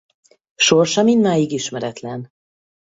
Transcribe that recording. Sorsa mindmáig ismeretlen.